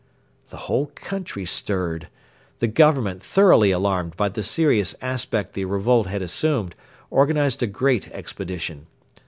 The whole country stirred. The Government, thoroughly alarmed by the serious aspect the revolt had assumed, organised a great expedition.